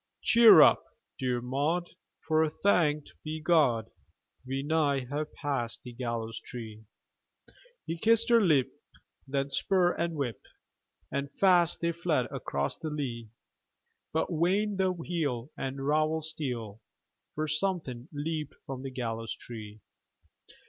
"Cheer up, dear Maud, for, thanked be God, We nigh have passed the gallows tree!" He kissed her lip; then spur and whip! And fast they fled across the lea! But vain the heel and rowel steel, For something leaped from the gallows tree!